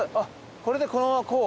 これでこのままこう？